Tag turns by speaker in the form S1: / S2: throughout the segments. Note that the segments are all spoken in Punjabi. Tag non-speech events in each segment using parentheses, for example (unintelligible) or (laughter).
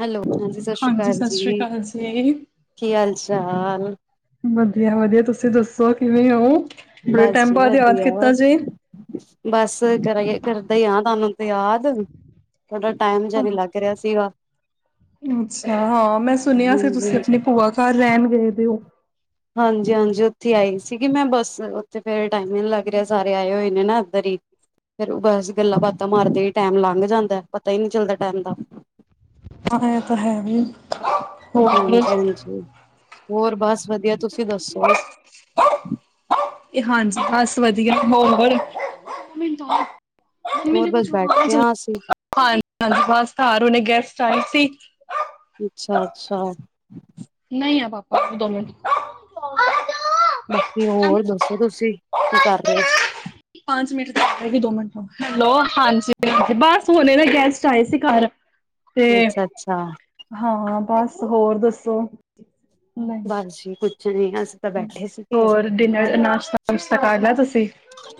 S1: ਹੈਲੋ, ਹਾਂਜੀ ਸਤਿ ਸ਼੍ਰੀ ਅਕਾਲ
S2: ਸਤਿ ਸ਼੍ਰੀ
S1: ਜੀ
S2: ਅਕਾਲ ਜੀ।
S1: ਕੀ ਹਾਲ ਚਾਲ?
S2: ਵਧੀਆ ਵਧੀਆ ਤੁਸੀਂ ਦੱਸੋ ਕਿਵੇਂ ਓ!
S1: ਬਸ ਜੀ ਵਧੀਆ ਬਸ ਕਰ ਕਰਦਾ ਆ ਤੁਹਾਨੂੰ ਤੇ ਯਾਦ। (unintelligible) ਜਾ ਨੀ ਲੱਗ ਰਿਹਾ ਸੀਗਾ।
S2: ਅੱਛਾ ਹਾਂ, ਮੈਂ ਸੁਣਿਆ ਸੀ
S1: ਹਾਂਜੀ
S2: ਤੁਸੀਂ
S1: ਹਾਂਜੀ
S2: ਆਪਣੇ ਭੂਆ ਘਰ ਰਹਿਣ ਗਏ ਦੇ ਓ।
S1: ਹਾਂਜੀ-ਹਾਂਜੀ, ਉੱਥੀ ਆਈ ਸੀਗੀ ਮੈਂ ਬੱਸ ਉੱਥੇ ਫੇਰ ਟਾਈਮ ਹੀ ਨਹੀਂ ਲੱਗ ਰਿਹਾ ਸਾਰੇ ਆਏ ਹੋਏ। ਨੇ ਨਾ ਓਦਰੀ। ਫਿਰ ਬਸ ਗੱਲਾਂ ਬਾਤਾਂ ਮਾਰਦੇ ਹੀ ਟਾਈਮ ਲੰਘ ਜਾਂਦਾ ਪਤਾ ਹੀ ਨੀ ਚੱਲਦਾ ਟਾਈਮ ਦਾ।
S2: ਹਾਂ, ਇਹ ਤਾਂ ਹੈ ਵੀ। ਹੋਰ
S1: ਹਾਂਜੀ-ਹਾਂਜੀ, ਹੋਰ ਬਸ ਵਧੀਆ ਤੁਸੀਂ ਦੱਸੋ?
S2: ਹਾਂਜੀ, ਬਸ ਵਧੀਆ (unintelligible) ਮੰਮੀ
S1: ਹੋਰ
S2: ਮੈਂਨੇ
S1: ਬਸ
S2: ਕੁੱਛ ਖਾਣਾ
S1: ਬੈਠੇ ਹਾਂ
S2: ਜਲਦੀ,
S1: ਅਸੀਂ
S2: ਹਾਂਜੀ-ਹਾਂਜੀ, ਬਸ ਘਰ ਹੁਣੀ ਗੈਸਟ ਆਏ ਸੀ।
S1: ਅੱਛਾ ਅੱਛਾ
S2: ਨਹੀਂ ਆ ਪਾਪਾ ਦੋ ਮਿੰਟ
S1: ਬਾਕੀ ਹੋਰ ਦੱਸੋ ਤੁਸੀਂ ਕੀ ਕਰ ਰਹੇ ਹੋ?
S2: ਪੰਜ ਮਿੰਟ ਤੱਕ ਦੋ ਮਿੰਟ ਹੈਲੋ ਹਾਂਜੀ, ਬਸ ਹੁਣੇ ਨੇ ਗੈਸਟ ਆਏ ਸੀ ਘਰ
S1: ਹੋ
S2: ਤੇ
S1: ਅੱਛਾ ਅੱਛਾ
S2: ਹਾਂ ਬਸ ਹੋਰ ਦੱਸੋ। ਨਹੀਂ
S1: ਬਸ ਜੀ ਕੁਛ ਨੀ ਅਸੀਂ ਤਾਂ ਬੈਠੇ ਸੀਗੇ।
S2: ਹੋਰ ਡਿਨਰ ਨਾਸ਼ਤਾ ਨੁਸ਼ਤਾ ਕਰ ਲਿਆ ਤੁਸੀਂ?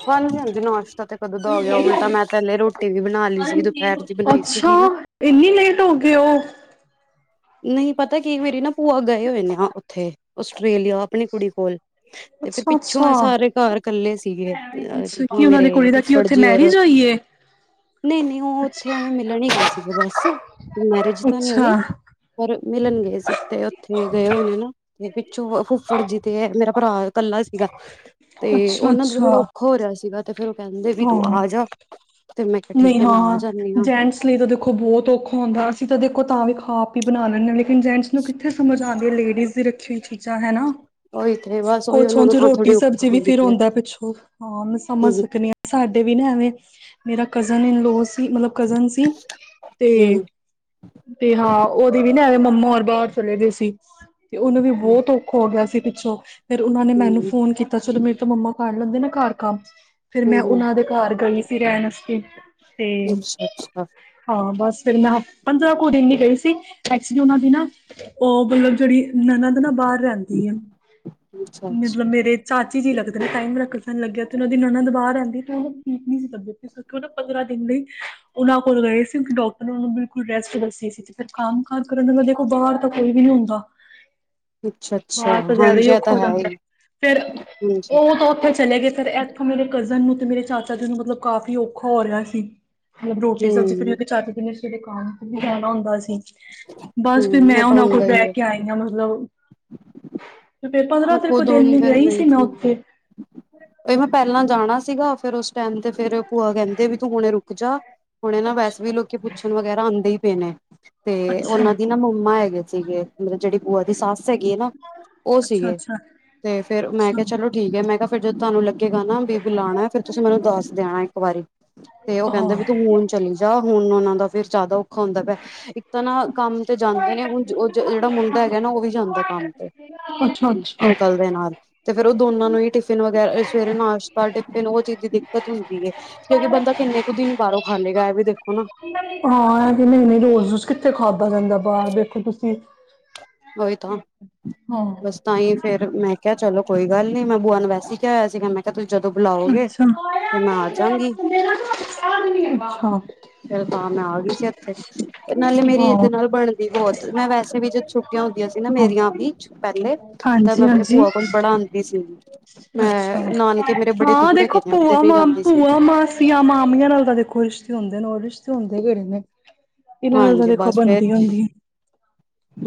S1: ਹਾਂਜੀ-ਹਾਂਜੀ, ਨਾਸ਼ਤਾ ਤੇ ਕਦੋਂ ਦਾ ਹੋ ਗਿਆ ਉਲਟਾ ਮੈਂ ਤਾਂ ਹਲੇ ਰੋਟੀ ਵੀ ਬਣਾ ਲਈ ਸੀ ਦੁਪਹਿਰ ਦੀ ਬਣਾਈ ਸੀ।
S2: ਹਾਂ, ਇੰਨੀ ਲੇਟ ਹੋ ਗਏ ਉਹ
S1: ਨਹੀਂ, ਪਤਾ ਕੀ ਮੇਰੀ ਨਾ ਭੂਆ ਗਏ ਹੋਏ ਨੇ ਉੱਥੇ ਆਸਟ੍ਰੇਲੀਆ ਆਪਣੀ ਕੁੜੀ ਕੋਲ। ਤੇ ਫਿਰ
S2: ਅੱਛਾ ਅੱਛਾ।
S1: ਪਿੱਛੋਂ ਸਾਰੇ ਘਰ ਇਕੱਲੇ ਸੀਗੇ
S2: ਅੱਛਾ ਕੀ ਉਹਨਾਂ ਦੀ
S1: ਮੇਰੇ
S2: ਕੁੜੀ ਦਾ ਕੀ
S1: ਫੁੱਫੜ
S2: ਉੱਥੇ
S1: ਜੀ ਔਰ
S2: (unintelligible)
S1: ਨਈ-ਨਈ, ਉਹ ਉੱਥੇ
S2: ਅੱਛਾ
S1: ਐਵੇਂ ਮਿਲਣ ਹੀ ਗਏ ਸੀਗੇ ਬਸ ਮੈਰਿਜ ਤਾਂ ਨਹੀਂ ਹੋਈ।
S2: ਅੱਛਾ
S1: ਪਰ ਮਿਲਣ ਗਏ ਸੀ ਤੇ ਉੱਥੇ ਗਏ ਹੋਏ ਨੇ ਨਾ ਚ ਫੁੱਫੜ ਜੀ ਤੇ ਮੇਰਾ ਭਰਾ ਕੱਲਾ ਸੀਗਾ ਤੇ ਉਹਨਾਂ ਨੂੰ
S2: ਅੱਛਾ
S1: ਥੋੜਾ ਔਖਾ ਹੋ ਰਿਹਾ ਸੀਗਾ। ਤੇ ਫੇਰ ਉਹ ਕਹਿੰਦੇ ਵੀ ਤੂੰ
S2: ਹਾਂ
S1: ਆ ਜਾ। ਤੇ ਮੈਂ ਕਿਹਾ
S2: ਨਹੀਂ
S1: ਠੀਕ ਹੈ ਮੈਂ ਆ
S2: ਹਾਂ,
S1: ਜਾਂਦੀ ਹਾਂ
S2: ਜੈਂਟਸ ਲਈ ਤਾਂ ਦੇਖੋ ਬਹੁਤ ਔਖਾ ਹੁੰਦਾ ਅਸੀਂ ਤਾਂ ਦੇਖੋ ਤਾਂ ਵੀ ਖਾ ਬਣਾ ਲੈਣੇ ਲੇਕਿਨ ਜੈਂਟਸ ਨੂੰ ਕਿੱਥੇ ਸਮਝ ਆਂਦੀ ਲੇਡੀਜ਼ ਦੀ ਰੱਖੀ ਹੋਈ ਚੀਜ਼ਾਂ ਹੈਨਾ?
S1: ਓਹੀ ਤੇ। ਬਸ ਉਹੀ
S2: ਕੁਛ
S1: ਉਹਨਾਂ
S2: ਹੁਣ
S1: ਨੂੰ
S2: ਜੋ
S1: ਤਾਂ
S2: ਰੋਟੀ
S1: ਥੋੜੀ ਔਖ
S2: ਸਬਜ਼ੀ ਵੀ
S1: ਹੁੰਦੀ
S2: ਫਿਰ
S1: ਪਈ ਹੈ
S2: ਹੁੰਦਾ ਪਿੱਛੋਂ ਹਾਂ ਮੈਂ ਸਮਝ
S1: ਹਮ
S2: ਸਕਣੀ ਆ ਸਾਡੇ ਵੀ ਨਾ ਐਵੇਂ ਮੇਰਾ ਕਜ਼ਨ ਇਨ ਲੋਸ ਮਤਲਬ ਕਜ਼ਨ ਸੀ ਤੇ ਤੇ ਹਾਂ, ਉਹਦੀ ਵੀ ਨਾ ਐਵੇਂ ਮੰਮਾ ਬਾਹਰ ਚਲੇ ਗਏ ਸੀ ਤੇ ਉਹਨੂੰ ਵੀ
S1: ਹਮ
S2: ਬਹੁਤ ਔਖਾ ਹੋ ਗਿਆ ਸੀ ਪਿੱਛੋਂ। ਫਿਰ ਉਹਨਾਂ ਨੇ ਮੈਨੂੰ
S1: ਹਮ
S2: ਫੋਨ ਕੀਤਾ ਚਲੋ ਮੇਰੇ ਤੇ ਮੰਮਾ ਕਰ ਲੈਂਦੇ ਨੇ ਘਰ ਕੰਮ। ਫੇਰ ਮੈਂ
S1: ਹਮ ਹਮ
S2: ਉਹਨਾਂ ਦੇ ਘਰ ਗਈ ਸੀ ਰਹਿਣ। ਤੇ
S1: ਅੱਛਾ ਅੱਛਾ
S2: ਹਾਂ, ਬਸ ਫਿਰ ਮੈਂ ਪੰਦਰਾਂ ਕੁ ਦਿਨ ਹੀ ਗਈ ਸੀ। ਐਕਚੁਲੀ ਉਹਨਾ ਦੀ ਨਾ ਉਹ ਮਤਲਬ ਜਿਹੜੀ ਨਣਦ ਨਾ ਬਾਹਰ ਰਹਿੰਦੀ ਐ।
S1: ਅੱਛਾ
S2: ਮਤਲਬ
S1: ਅੱਛਾ
S2: ਮੇਰੇ ਚਾਚੀ ਜੀ ਲੱਗਦੇ ਨੇ ਟਾਈਮ ਰੱਖ (unintelligible) ਲੱਗਿਆ ਤੇ ਉਹਨਾਂ ਦੀ ਨਣਦ ਬਾਹਰ ਰਹਿੰਦੀ ਤੇ ਠੀਕ ਨੀ ਸੀ ਤਬੀਅਤ। ਉਹ ਪੰਦਰਾਂ ਦਿਨ ਲਈ ਉਨਾਂ ਕੋਲ ਗਏ ਸੀ ਕਿਉਕਿ ਡਾਕਟਰ ਨੇ ਉਹ ਨੂੰ ਬਿਲਕੁਲ ਰੈਸਟ ਦੱਸੀ ਸੀ ਤੇ ਫਿਰ ਕੰਮ (unintelligible) ਕਰਨ ਦਾ ਦੇਖੋ ਬਾਹਰ ਤਾਂ ਕੋਈ ਵੀ ਨਹੀਂ ਹੁੰਦਾ।
S1: ਅੱਛਾ-ਅੱਛਾ, ਹਾਂਜੀ ਇਹ ਤਾਂ ਹੈ ਹੀ।
S2: ਫਿਰ
S1: ਹਾਂਜੀ
S2: ਉਹ ਤਾਂ ਉੱਥੇ ਚਲੇ ਗਏ ਫਿਰ ਇਥੋਂ ਮੇਰੇ ਕਜ਼ਨ ਨੂੰ ਤੇ ਮੇਰੇ ਚਾਚਾ ਜੀ ਨੂੰ ਮਤਲਬ ਕਾਫੀ ਔਖਾ ਹੋ ਰਿਹਾ ਸੀ ਮਤਲਬ ਰੋਟੀ ਸਬਜ਼ੀ
S1: ਹਮ
S2: ਫਿਰ (unintelligible) ਚਾਚਾ ਜੀ ਨੇ ਫਿਰ ਕੰਮ ਤੇ ਵੀ ਜਾਣਾ ਹੁੰਦਾ ਸੀ। ਬਸ ਫਿਰ
S1: ਹਮ
S2: ਮੈਂ
S1: ਇਹ ਤਾਂ
S2: ਉਹਨਾਂ ਕੋਲ
S1: ਹੁੰਦਾ ਹੀ
S2: ਬਹਿ
S1: ਹੈ
S2: ਕੇ ਆਈ ਆ ਮਤਲਬ ਤੇ ਫਿਰ
S1: ਮੈਂ
S2: ਪੰਦਰਾਂ ਤਰੀਕ
S1: ਖੁਦ ਹੁਣ
S2: ਦਿਨ ਲਈ ਗਈ ਸੀ ਮੈਂ
S1: (unintelligible)
S2: ਉੱਥੇ
S1: ਇਹ ਮੈਂ ਪਹਿਲਾ ਜਾਣਾ ਸੀਗਾ। ਫਿਰ ਉਸ ਟਾਈਮ ਤੇ ਫੇਰ ਭੂਆ ਕਹਿੰਦੇ ਵੀ ਤੂੰ ਹੁਣੇ ਰੁਕ ਜਾ ਹੁਣੇ ਨਾ ਵੈਸੇ ਵੀ
S2: ਅੱਛਾ
S1: ਲੋਕੀ ਪੁੱਛਣ ਵਗੈਰਾ ਆਂਦੇ। ਨੇ ਤੇ
S2: ਅੱਛਾ,
S1: ਉਹਨਾਂ ਦੀ ਨਾ ਮੰਮਾ ਹੈਗੇ ਸੀਗੇ। ਮਤਲਬ ਜਿਹੜੀ ਭੂਆ ਦੀ ਸੱਸ ਹੈਗੀ ਆ ਨਾ ਉਹ
S2: ਅੱਛਾ,
S1: ਸੀਗੇ
S2: ਅੱਛਾ,
S1: ਤੇ ਫੇਰ ਮੈਂ
S2: ਅੱਛਾ।
S1: ਕਿਹਾ ਚਲੋ ਠੀਕ ਆ ਮੈਂ ਕਿਹਾ ਫਿਰ ਜਦੋਂ ਤੁਹਾਨੂੰ ਲੱਗੇਗਾ ਨਾ ਬੀ ਬੁਲਾਉਣਾ ਫਿਰ ਤੁਸੀਂ ਮੈਨੂੰ ਦੱਸ ਦੇਣਾ ਇੱਕ ਵਾਰੀ। ਤੇ ਉਹ ਕਹਿੰਦਾ ਵੀ
S2: ਹਾਂ,
S1: ਤੂੰ ਹੁਣ ਚਲੀ ਜਾ। ਹੁਣ ਉਹਨਾਂ ਦਾ ਫੇਰ ਜ਼ਿਆਦਾ ਔਖਾ ਹੁੰਦਾ ਪਿਆ ਇੱਕ ਤਾਂ ਨਾ ਕੰਮ ਤੇ ਜਾਂਦੇ ਨੇ ਹੁਣ ਜਿਹੜਾ ਮੁੰਡਾ ਹੈਗਾ ਨਾ ਉਹ ਵੀ ਜਾਂਦਾ ਕੰਮ ਤੇ।
S2: (unintelligible)
S1: ਅੰਕਲ ਦੇ ਨਾਲ। ਤੇ ਫੇਰ ਉਹ ਦੋਨਾਂ ਨੂੰ ਹੀ ਟਿਫਿਨ ਵਗੈਰਾ ਸਵੇਰੇ ਨਾਸ਼ਤਾ ਟਿਫਿਨ ਉਹ ਚੀਜ਼ ਦੀ ਦਿੱਕਤ ਹੁੰਦੀ ਐ ਕਿਉਂਕਿ ਬੰਦਾ ਕਿੰਨੇ ਕੁ ਦਿਨੋ ਬਾਹਰੋਂ ਖਾਲੇਗਾ ਐ ਵੀ ਦੇਖੋ ਨਾ।
S2: ਹਾਂ, ਕਿ ਨਹੀਂ-ਨਹੀਂ, ਰੋਜ਼ ਰੋਜ਼ ਕਿੱਥੇ ਖਾਧਾ ਜਾਂਦਾ ਬਾਹਰ ਦੇਖੋ ਤੁਸੀਂ
S1: ਉਹੀ ਤਾਂ
S2: ਹਾਂ।
S1: ਬਸ ਤਾਂਹੀ। ਫਿਰ ਮੈਂ ਕਿਹਾ ਚਲੋ ਕੋਈ ਗੱਲ ਨੀ ਮੈਂ ਬੂਆ ਨੂੰ ਵੈਸੇ ਹੀ ਕਿਹਾ ਹੋਇਆ ਸੀਗਾ ਮੈਂ ਕਿਹਾ ਤੁਸੀਂ ਜਦੋਂ ਬੁਲਾਓਗੇ ਤੇ ਮੈਂ ਆ ਜਾਂਗੀ
S2: ਅੱਛਾ-ਅੱਛਾ।
S1: ਫਿਰ ਤਾਂ ਮੈਂ ਆ ਗਈ ਸੀ ਇੱਥੇ ਨਾਲੇ ਮੇਰੀ ਇੱਦੇ ਨਾਲ ਬਣਦੀ ਬਹੁਤ ਮੈਂ ਵੈਸੇ ਵੀ ਛੁੱਟੀਆਂ ਹੁੰਦੀਆਂ ਸੀ ਨਾ ਮੇਰੀਆਂ ਵੀ ਪਹਿਲੇ ਤਾਂ ਮੈਂ
S2: ਹਾਂਜੀ,
S1: ਆਪਣੇ
S2: ਹਾਂਜੀ।
S1: ਭੂਆ ਕੋਲ ਬੜਾ ਆਂਦੀ ਸੀਗੀ।
S2: ਅੱਛਾ ਹਾਂ,
S1: ਦੂਰ ਹੈਗੇ
S2: ਦੇਖੋ
S1: ਨੇ ਉੱਧਰ
S2: ਭੂਆ
S1: ਨੀ
S2: ਮ
S1: ਜਾਂਦੀ ਸੀ
S2: ਭੂਆ ਮਾਸੀਆਂ ਮਾਮੀਆਂ ਨਾਲ ਤਾਂ ਦੇਖੋ ਰਿਸ਼ਤੇ ਹੁੰਦੇ ਨੇ ਉਹ ਰਿਸ਼ਤੇ ਹੁੰਦੇ ਕਿਹੜੇ ਨੇ ਇਹਨਾਂ ਨਾਲ ਤਾਂ
S1: ਹਾਂਜੀ
S2: ਦੇਖੋ
S1: ਬਸ ਫੇਰ
S2: ਬਣਦੀ ਹੁੰਦੀ ਐ।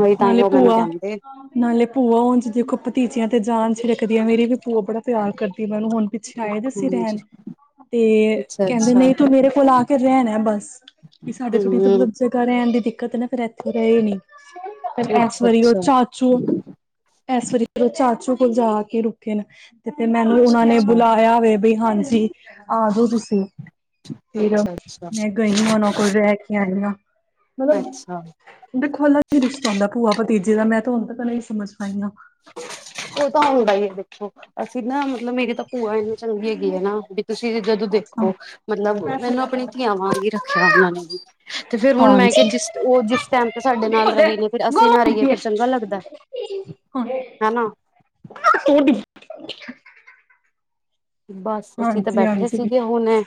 S1: ਉਹੀ ਤਾਂਹੀ
S2: ਨਾਲੇ
S1: ਉਹ ਮੈਨੂੰ
S2: ਭੂਆ
S1: ਕਹਿੰਦੇ
S2: ਨਾਲੇ ਭੂਆ ਹੋਣ ਜੀ ਦੇਖੋ ਭਤੀਜਿਆਂ ਤੇ ਜਾਣ ਕਦੀ ਐ ਮੇਰੀ ਵੀ ਭੂਆ ਬੜਾ ਪਿਆਰ ਕਰਦੀ ਮੈਂਨੂੰ ਹੁਣ ਪਿੱਛੇ ਆਏ ਦੇ ਸੀ
S1: ਹਾਂਜੀ
S2: ਰਹਿਣ। ਤੇ
S1: ਅੱਛਾ
S2: ਕਹਿੰਦੇ
S1: ਅੱਛਾ
S2: ਨਹੀਂ ਤੂੰ ਮੇਰੇ ਕੋਲ ਆ ਕੇ ਰਹਿਣਾ ਬਸ। ਵੀ ਸਾਡੇ ਥੋੜੀ
S1: ਹਮ
S2: ਮਤਲਬ ਜਗ੍ਹਾ ਰਹਿਣ ਦੀ ਦਿੱਕਤ ਨਾ ਫੇਰ ਇੱਥੇ ਰਹੇ ਨੀ। ਫਿਰ ਇਸ
S1: ਅੱਛਾ
S2: ਵਾਰੀ ਉਹ
S1: ਅੱਛਾ
S2: ਚਾਚੂ ਇਸ ਵਾਰੀ ਉਹ ਚਾਚੂ ਕੋਲ ਜਾ ਕੇ ਰੁ ਤੇ ਤੇ ਮੈਨੂੰ
S1: ਅੱਛਾ
S2: ਉਹਨਾਂ ਨੇ ਬੁਲਾਇਆ ਵੇ ਵੀ ਹਾਂਜੀ, ਆਜੋ ਤੁਸੀਂ ਫਿਰ
S1: ਅੱਛਾ ਅੱਛਾ ਅੱਛਾ
S2: ਮੈਂ ਗਈ ਉਹਨਾਂ ਕੋਲ ਰਹਿ ਕੇ ਆਈ ਹਾਂ।
S1: ਅੱਛਾ
S2: ਮਤਲਬ ਦੇਖੋ ਵੀ ਰਿਸ਼ਤਾ ਹੁੰਦਾ ਭੂਆ ਭਤੀ ਜੀ ਦਾ ਮੈਂ ਤਾਂ ਹੁਣ ਤੱਕ ਇਹੀ ਸਮਝ ਪਾਈ ਆ।
S1: ਉਹ ਤਾਂ ਹੁੰਦਾ ਹੀ ਆ ਦੇਖੋ ਅਸੀਂ ਨਾ ਮਤਲਬ ਮੇਰੇ ਤਾਂ। ਭੂਆ ਇੰਨੀ ਚੰਗੀ ਹੈਗੀ ਆ ਨਾ ਵੀ ਤੁਸੀਂ ਜਦੋਂ ਦੇਖੋ ਮਤਲਬ ਇਹਨੂੰ ਆਪਣੀ ਧੀਆਂ ਵਾਂ ਹੀ ਰੱਖਿਆ। ਭੂਆ ਨੇ ਵੀ ਤੇ ਫ਼ਿਰ ਹੁਣ ਮੈਂ ਕਿਹਾ
S2: ਹਾਂਜੀ
S1: ਜਿਸ ਉਹ ਜਿਸ ਟਾਈਮ ਤੇ ਸਾਡੇ ਨਾਲ ਰਹੇ ਨੇ ਫਿਰ ਅਸੀਂ ਨਾ ਰਹੀਏ ਫੇਰ ਚੰਗਾ ਲੱਗਦਾ। ਹਨਾ
S2: (unintelligible)
S1: ਬਸ ਅਸੀਂ ਤਾਂ
S2: ਹਾਂਜੀ
S1: ਬੈਠੇ ਸੀਗੇ ਹੁਣੇ,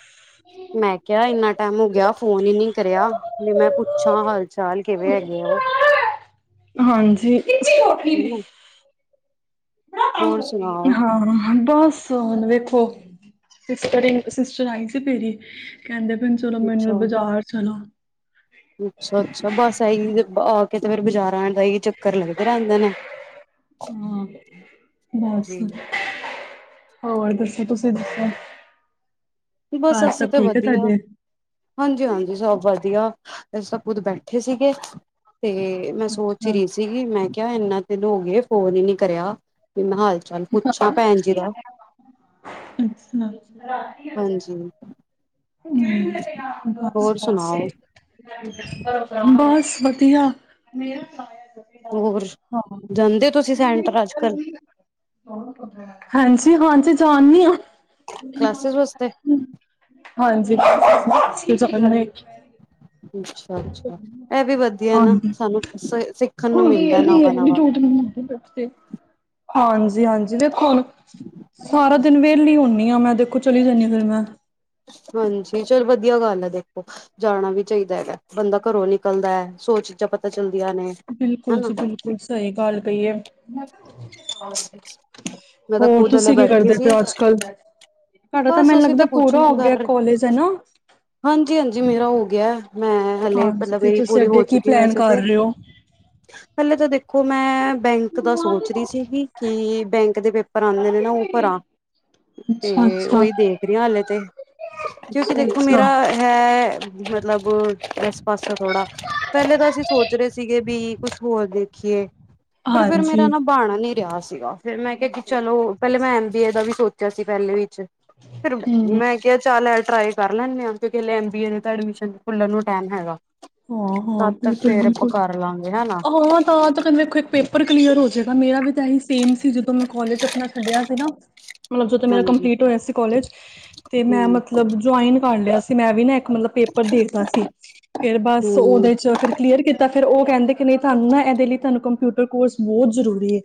S1: ਮੈਂ ਕਿਹਾ ਇੰਨਾ ਟਾਈਮ ਹੋ ਗਿਆ ਫੋਨ ਹੀ ਨੀ ਕਰਿਆ ਵੀ ਮੈਂ ਪੁੱਛਾਂ ਹਾਲ ਚਾਲ ਕਿਵੇਂ ਹੈਗੇ ਆ। (unintelligible)
S2: ਹਾਂਜੀ,
S1: ਹਨਾ
S2: ਹਾਂ
S1: ਹੋਰ ਸੁਣਾਓ
S2: ਹਾਂਜੀ, ਬਸ ਹੁਣ ਵੇਖੋ ਸਿਸਟਰ ਸਿਸਟਰ ਆਈ ਸੀ ਮੇਰੀ, ਕਹਿੰਦੇ ਪਏ ਨੇ ਚੱਲੋ ਮੇਰੇ ਨਾਲ ਬਜ਼ਾਰ ਚਲੋ।
S1: ਅੱਛਾ-ਅੱਛਾ, ਬਸ ਇਹੀ ਆ ਕੇ ਤੇ ਫੇਰ ਬਾਜ਼ਾਰਾ, ਈ ਚੱਕਰ ਲੱਗਦੇ ਰਹਿੰਦੇ ਨੇ,
S2: ਹਾਂ ਬਸ ਹੋਰ ਦੱਸੋ ਤੁਸੀਂ ਦੱਸੋ?
S1: ਬਸ
S2: ਘਰ
S1: ਅਸੀਂ
S2: ਸਭ
S1: ਤਾਂ
S2: ਠੀਕ ਹੈ
S1: ਵਧੀਆ
S2: ਤੁਹਾਡੇ
S1: ਹਾਂਜੀ-ਹਾਂਜੀ, ਸਭ ਵਧੀਆ। ਸਭ ਖੁੱਦ ਬੈਠੇ ਸੀਗੇ ਤੇ ਮੈਂ ਸੋਚ ਹੀ
S2: ਅੱਛਾ
S1: ਰਹੀ ਸੀਗੀ ਮੈਂ ਕਿਹਾ ਇਨਾ, ਐਨੇ ਦਿਨ ਹੋ ਗਏ ਫੋਨ ਹੀ ਨੀ ਕਰਿਆ (unintelligible) ਚੱਲ ਪੁੱਛਾਂ ਭੈਣ ਜੀ ਦਾ,
S2: ਅੱਛਾ (unintelligible)
S1: ਹਾਂਜੀ ਹੋਰ ਸੁਣਾਓ
S2: ਬਸ ਵਧੀਆ,
S1: ਹੋਰ
S2: ਹਾਂ
S1: ਜਾਂਦੇ ਤੁਸੀਂ ਸੈਂਟਰ ਅੱਜ ਕੱਲ੍ਹ?
S2: ਹਾਂਜੀ-ਹਾਂਜੀ, ਜਾਣੀ ਆ।
S1: ਕਲਾਸਿਸ ਵਾਸਤੇ
S2: ਹਾਂਜੀ, (unintelligible)
S1: ਅੱਛਾ-ਅੱਛਾ, ਇਹ ਵੀ ਵਧੀਆ ਨਾ ਸਾਨੂੰ ਸਿੱਖਣ ਨੂੰ ਮਿਲਦਾ ਨਵਾਂ-ਨਵਾਂ। (unintelligible)
S2: ਹਾਂਜੀ-ਹਾਂਜੀ, ਦੇਖੋ ਹੁਣ ਸਾਰਾ ਦਿਨ ਵੇ, ਹਲੀ ਹੁੰਦੀ ਆ ਮੈਂ ਦੇਖੋ ਚਲੀ ਜਾਣੀ ਆ ਫੇਰ ਮੈਂ,
S1: ਅੱਛਾ, ਹਾਂਜੀ, ਚਲ ਵਧੀਆ ਗੱਲ ਹੈ ਦੇਖੋ ਜਾਣਾ ਵੀ ਚਾਹੀਦਾ ਹੈਗਾ, ਬੰਦਾ ਘਰੋਂ ਨਿਕਲਦਾ ਐ ਸੋਚ ਪਤਾ ਚੱਲਦੀਆਂ ਨੇ
S2: ਬਿਲਕੁਲ
S1: ਹਨਾ
S2: ਜੀ ਬਿਲਕੁਲ, ਸਹੀ ਗੱਲ ਕਹੀ ਏ,
S1: ਮੈਂ ਤਾਂ
S2: ਹੋਰ
S1: ਖੁਦ ਹਲੇ
S2: ਤੁਸੀਂ ਕੀ
S1: ਬੈਠੀ
S2: ਕਰਦੇ
S1: ਸੀ
S2: ਪਏ ਅੱਜ-ਕੱਲ? ਤੁਹਡਾ ਤਾਂ
S1: ਬਸ
S2: ਮੈਨੂੰ
S1: ਅਸੀਂ
S2: ਲੱਗਦਾ
S1: ਕੁਛ
S2: ਪੂਰਾ
S1: ਨੀ
S2: ਹੋ ਗਿਆ
S1: ਕਰ
S2: ਕਾਲਜ ਹਨਾ।
S1: ਹਾਂਜੀ-ਹਾਂਜੀ ਮੇਰਾ ਹੋ ਗਿਆ ਮੈਂ ਹਲੇ ਮਤਲਬ ਮੇਰੀ ਪੂਰੀ ਹੋ
S2: ਅੱਗੇ ਕੀ
S1: ਚੁੱਕੀ ਐ
S2: ਪਲੈਨ
S1: ਵੈਸੇ
S2: ਕਰ
S1: ਤੇ
S2: ਰਹੇ ਹੋ
S1: ਹਲੇ ਤਾਂ ਦੇਖੋ, ਮੈਂ ਬੈਂਕ ਦਾ ਸੋਚ ਰਹੀ ਸੀਗੀ ਕਿ ਬੈਂਕ ਦੇ ਪੇਪਰ ਆਣੇ ਨੇ ਨਾ ਉਹ ਪਰਾ
S2: ਅੱਛਾ
S1: ਤੇ
S2: ਅੱਛਾ
S1: ਉਹੀ ਦੇਖ ਰਹੀ ਹਾਲੇ ਤੇ, ਕਿਉਂਕਿ
S2: ਅੱਛਾ
S1: ਦੇਖੋ
S2: ਅੱਛਾ
S1: ਮੇਰਾ ਹੈ ਮਤਲਬ ਇਸ ਪਾਸੇ ਥੋੜ੍ਹਾ ਪਹਿਲੇ ਤਾਂ ਤਾਂ ਅਸੀਂ ਸੋਚ ਰਹੇ ਸੀਗੇ ਵੀ ਕੁਛ ਹੋਰ ਦੇ, ਦੇਖੀਏ ਪਰ ਫੇਰ
S2: ਹਾਂਜੀ
S1: ਮੇਰਾ ਨਾ ਬਣ ਨੀ ਰਿਹਾ ਸੀਗਾ। ਫਿਰ ਮੈਂ ਕਿਹਾ ਕਿ ਚਲੋ ਪਹਿਲਾਂ ਮੈਂ ਐਮ ਬੀ ਏ ਦਾ ਵੀ ਸੋਚਿਆ ਸੀ ਪਹਿਲੇ ਵਿੱਚ ਫਿਰ
S2: ਹਮ
S1: ਮੈਂ ਕਿਹਾ ਚੱਲ ਐ ਟਰਾਈ ਕਰ ਲੈਣੇ ਆ ਐਮ ਬੀ ਏ ਦੇ ਤਾਂ ਐਡਮਿਸ਼ਨ ਖੁੱਲਣ ਨੂੰ ਟਾਈਮ ਹੈਗਾ।
S2: ਹਾਂ-ਹਾਂ,
S1: ਤਦ ਤੱਕ ਫੇਰ ਆਪਾਂ
S2: ਬਿਲਕੁਲ-ਬਿਲਕੁਲ,
S1: ਕਰ ਲਾਂਗੇ ਹਨਾ।
S2: ਹਾਂ, ਤਾਂ (unintelligible) ਵੇਖੋ ਇੱਕ ਪੇਪਰ ਕਲੀਅਰ ਹੋਜੇਗਾ ਮੇਰਾ ਵੀ ਇਹੀ ਸੇਮ ਸੀ ਜਦੋਂ ਮੈਂ ਕਾਲਜ ਆਪਣਾ ਛੱਡਿਆ ਸੀ ਨਾ ਮਤਲਬ ਜਦੋਂ ਮੇਰਾ
S1: ਹਾਂਜੀ
S2: ਕੰਪਲੀਟ ਹੋਇਆ ਸੀ ਕਾਲਜ, ਤੇ ਮੈਂ
S1: ਹੂੰ-ਹੂੰ
S2: ਮਤਲਬ ਜੁਆਇਨ ਕਰ ਲਿਆ ਸੀ ਮੈਂ ਵੀ ਨਾ ਮਤਲਬ ਪੇਪਰ ਦੇਤਾ ਸੀ ਫੇਰ ਬਸ ਉਹਦੇ ਚ ਫਿਰ ਕਲੀਅਰ ਕੀਤਾ। ਫਿਰ ਉਹ ਕਹਿੰਦੇ ਕਿ ਨਹੀਂ ਤੁਹਾਨੂੰ ਨਾ ਇਹਦੇ ਲਈ ਤੁਹਾਨੂੰ ਕੰਪਿਊਟਰ ਕੋਰਸ ਬਹੁਤ ਜ਼ਰੂਰੀ ਐ।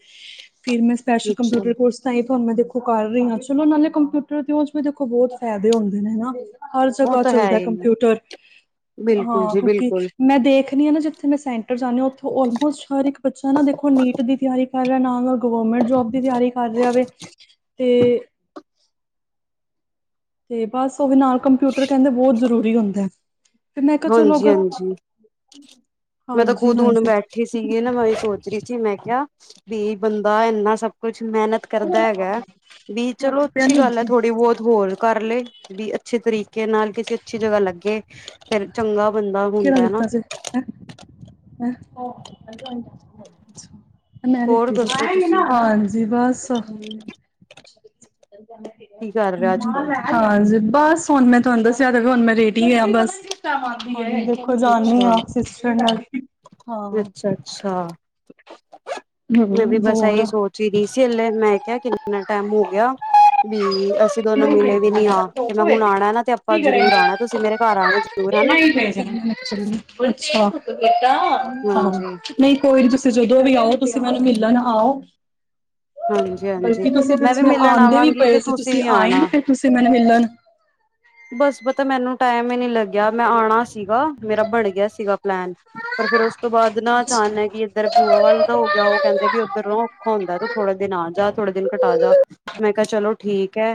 S2: ਫਿਰ ਸਪੈਸ਼ਲ
S1: ਅੱਛਾ
S2: ਕੰਪਿਊਟਰ ਕੋਰਸ ਤਾਹੀ ਤੇ ਹੁਣ ਮੈਂ ਦੇਖੋ ਕਰ ਰਹੀ ਹਾਂ, ਚਲੋ ਨਾਲੇ ਕੰਪਿਊਟਰ ਦੇ ਓਦੇ ਚ ਵੀ ਦੇਖੋ ਬਹੁਤ ਫ਼ਾਇਦੇ ਹੁੰਦੇ ਨੇ ਹਨਾ। ਹਰ
S1: ਉਹ
S2: ਜਗ੍ਹਾ
S1: ਤਾਂ ਹੈ
S2: ਚੱਲਦਾ
S1: ਹੀ।
S2: ਕੰਪਿਊਟਰ
S1: ਬਿਲਕੁਲ
S2: ਹਾਂ,
S1: ਜੀ
S2: ਕਿਉਂਕਿ
S1: ਬਿਲਕੁਲ
S2: ਮੈਂ ਦੇਖਣੀ ਆ ਨਾ ਜਿੱਥੇ ਮੈਂ ਸੈਂਟ ਰ ਜਾਣੀ ਉੱਥੋਂ ਆਲਮੋਸਟ ਹਰ ਇੱਕ ਬੱਚਾ ਨਾ ਦੇਖੋ ਨੀਟ ਦੀ ਤਿਆਰੀ ਕਰ ਰਿਹਾ ਨਾ। ਗਵਰਮੈਂਟ ਜੋਬ ਦੀ ਤਿਆਰੀ ਕਰ ਰਿਹਾ ਵੈ ਤੇ ਤੇ ਬਸ ਉਹਦੇ ਨਾਲ ਕੰਪਿਊਟਰ ਕਹਿੰਦੇ ਬਹੁਤ ਜ਼ਰੂਰੀ ਹੁੰਦਾ। ਫਿਰ ਮੈਂ ਕਿਹਾ ਚਲੋ ਅਗਰ
S1: ਹਾਂਜੀ-ਹਾਂਜੀ। ਮੈਂ ਤਾਂ ਖੁਦ ਹੁਣ
S2: ਹਾਂਜੀ-ਹਾਂਜੀ
S1: ਬੈਠੀ ਸੀਗੀ ਨਾ ਮੈਂ ਸੋਚ ਰਹੀ ਸੀ ਮੈਂ ਕਿਹਾ ਵੀ ਬੰਦਾ ਇੰਨਾ ਸਭ ਕੁਛ ਮਿਹਨਤ ਕਰਦਾ ਹੈਗਾ ਵੀ ਚਲੋ
S2: ਤੁਹਾਡਾ ਪੈਨ
S1: ਅੱਛੀ ਗੱਲ ਐ
S2: ਲਿੱਤੀ
S1: ਥੋੜ੍ਹੀ ਬਹੁਤ ਹੋਰ ਕਰ ਲਏ। ਵੀ ਅੱਛੇ ਤਰੀਕੇ ਨਾਲ ਕਿਸੇ ਅੱਛੀ ਜਗ੍ਹਾ ਲੱਗੇ ਫਿਰ ਚੰਗਾ ਬੰਦਾ
S2: ਕਿਹੜਾ
S1: ਹੁੰਦਾ ਨਾ
S2: ਦਿੱਤਾ ਸੀੇ ਮੈਂ
S1: ਹੋਰ
S2: ਲਿੱਤੀ ਸੀ।
S1: ਦੱਸੋ ਤੁਸੀਂ
S2: ਹਾਂਜੀ ਬਸ
S1: ਕੀ ਕਰ ਰਹੇ ਹੋ ਅੱਜ ਕੱਲ
S2: ਹਾਂਜੀ ਬਸ ਹੁਣ ਮੈਂ ਤੁਹਾਨੂੰ ਦੱਸਿਆ ਹੁਣ ਮੈਂ ਰੇਡੀ ਆ ਬਸ। ਦੇਖੋ ਜਾਨੀ
S1: ਅੱਛਾ
S2: ਆ ਸਿਸਟਰ ਨਾਲ ਹਾਂ।
S1: ਅੱਛਾ-ਅੱਛਾ ਮੈਂ ਵੀ
S2: ਹੂੰ
S1: ਬਸ
S2: ਹੋਰ
S1: ਇਹੀ ਸੋਚ ਹੀ ਰਹੀ ਸੀ ਹਲੇ ਮੈਂ ਕਿਹਾ ਕਿ। ਇੰਨਾ ਟਾਈਮ ਹੋ ਗਿਆ ਵੀ। ਅਸੀਂ ਦੋਨੋਂ ਮਿਲੇ ਵੀ ਨੀ ਆ, ਤੇ ਮੈਂ ਹੁਣ ਆਣਾ ਨਾ ਤੇ ਆਪਾਂ ਜ਼ਰੂਰ ਆਣਾ, ਤੁਸੀਂ ਮੇਰੇ ਘਰ ਆਣਾ ਜ਼ਰੂਰ ਹੈ ਨਾ।
S2: ਨਹੀਂ ਭੇਜਣਾ। ਅੱਛਾ ਹਾਂ
S1: ਹਾਂਜੀ
S2: ਨਹੀਂ ਕੋਈ ਨੀ ਤੁਸੀਂ। ਜਦੋਂ ਵੀ ਆਓ ਤੁਸੀਂ ਮੈਨੂੰ ਮਿਲਣ ਆਓ।
S1: ਹਾਂਜੀ ਹਾਂਜੀ
S2: ਬਲਕਿ ਤੁਸੀਂ
S1: ਮੈਂ ਵੀ
S2: ਪਿੱਛੇ
S1: ਮਿਲਣ
S2: ਆਂਦੇ ਵੀ
S1: ਆਵਾਂਗੀ ਤੇ
S2: ਪਏ ਸੀ ਤੁਸੀਂ
S1: ਵੀ
S2: ਆਏ
S1: ਆਉਣਾ
S2: ਨ ਫਿਰ ਤੁਸੀਂ ਮੈਨੂੰ ਮਿਲਣ।
S1: ਬਸ ਪਤਾ ਮੈਨੂੰ। ਟਾਈਮ ਹੀ ਨੀ ਲੱਗਿਆ ਮੈਂ ਆਣਾ ਸੀਗਾ, ਮੇਰਾ ਬਣ ਗਿਆ ਸੀਗਾ ਪਲੈਨ ਪਰ ਫੇਰ ਉਸ ਤੋਂ ਬਾਅਦ ਨਾ ਅਚਾਨਕ। ਆਣਾ ਕਿ ਇੱਧਰ ਭੂਆ ਵੱਲ ਦਾ ਹੋ ਗਿਆ ਉਹ ਕਹਿੰਦੇ ਵੀ ਉਦਰੋ ਉਹ ਔਖਾ ਹੁੰਦਾ ਤੇ ਥੋੜੇ ਦਿਨ ਆ ਜਾ, ਥੋੜੇ ਦਿਨ ਕਟਾ ਜਾ। ਮੈਂ ਕਿਹਾ ਚਲੋ ਠੀਕ ਹੈ,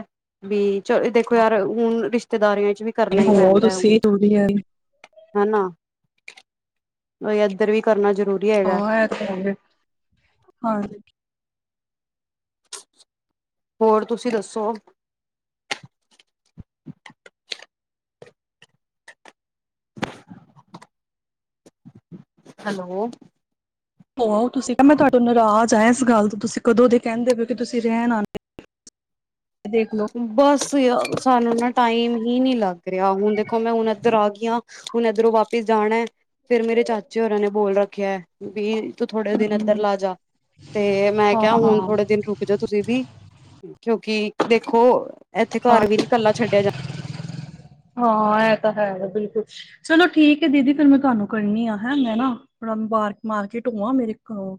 S1: ਬਾਈ ਚਲ ਦੇਖੋ ਯਾਰ ਹੁਣ ਰਿਸ਼ਤੇਦਾਰੀ। ਵੀ ਕਰਨਾ ਹੀ
S2: ਹੋ
S1: ਪੈਂਦਾ ਹੈ ਹੁਣ।
S2: ਤੁਸੀਂ ਦੂਰੀ ਹੈ
S1: ਹਨਾ ਇਹ ਏਧਰ ਵੀ ਕਰਨਾ ਜਰੂਰੀ।
S2: (unintelligible) ਹਾਂ।
S1: ਹੋਰ ਤੁਸੀਂ ਦੱਸੋ? ਹੈਲੋ।
S2: ਹੋ ਆਉ ਤੁਸੀਂ ਕੇ ਮੈਂ ਤੁਹਾਡੇ ਤੋ ਨਾਰਾਜ਼ ਆ ਇਸ ਗੱਲ ਤੋਂ ਤੁਸੀਂ ਕਦੋਂ ਦੇ ਕਹਿੰਦੇ ਪਏ ਕਿ ਤੁਸੀਂ ਰਹਿਣ ਆਣ।
S1: ਬਸ ਯਾਰ, ਸਾਨੂੰ ਨਾ ਟਾਈਮ ਹੀ ਨੀ ਲੱਗ ਰਿਹਾ। ਹੁਣ ਦੇਖੋ ਮੈਂ ਹੁਣ ਇੱਧਰ ਆ ਗਈ ਆ। ਹੁਣ ਇਧਰੋਂ ਵਾਪਿਸ ਜਾਣਾ ਫੇਰ ਮੇਰੇ ਚਾਚੇ ਹੋਰਾਂ ਨੇ ਬੋਲ ਰੱਖਿਆ ਬਈ। ਤੂੰ ਥੋੜੇ ਦਿਨ ਇੱਧਰ ਲਾ ਜਾ ਤੇ ਮੈਂ ਕਿਹਾ ਹੁਣ ਥੋੜੇ ਦਿਨ ਰੁਕ ਜਾਓ ਤੁਸੀਂ ਵੀ। ਕਿਉਂਕਿ ਦੇਖੋ ਇੱਥੇ
S2: ਹਾਂ
S1: ਘਰ ਵੀ ਨੀ ਇਕੱਲਾ ਛੱਡਿਆ ਜਾਦਾ।
S2: ਹਾਂ, ਇਹ ਤਾਂ ਹੈ, ਬਿਲਕੁਲ ਚਲੋ ਠੀਕ ਹੈ ।ਦੀਦੀ ਫੇਰ ਮੈਂ ਤੁਹਾਨੂੰ ਕਰਨੀ ਆ ਹੈ ਮੈਂ ਨਾ ਥੋੜਾ। ਪਾਰਕ ਮਾਰਕਿਟ ਹੋ ਆ ਮੇਰੇ ਕੋਲ।